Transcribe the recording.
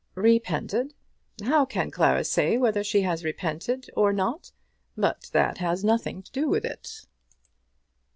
Repented! How can Clara say whether she has repented or not? But that has nothing to do with it.